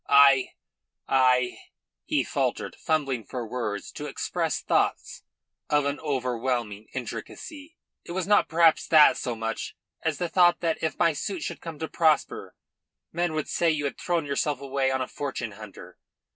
I I " he faltered, fumbling for words to express thoughts of an overwhelming intricacy. "It was not perhaps that so much as the thought that, if my suit should come to prosper, men would say you had thrown yourself away on a fortune hunter.